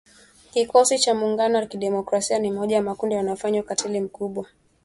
Kikosi cha Muungano wa Kidemokrasia ni moja ya makundi yanayofanya ukatili mkubwa.